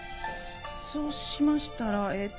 そうしましたらえっと。